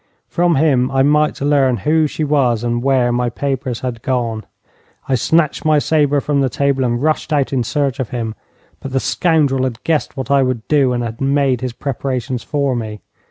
From him I might learn who she was and where my papers had gone. I snatched my sabre from the table and rushed out in search of him. But the scoundrel had guessed what I would do, and had made his preparations for me.